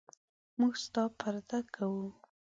موږ ستا پرده کوو.